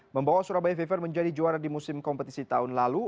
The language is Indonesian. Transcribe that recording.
membawa surabaya fever menjadi juara di musim kompetisi tahun lalu